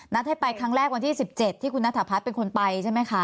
นัดให้ไปวันที่๑๗ที่คุณนาฏรพัทส์เป็นคนไปใช่ไหมคะ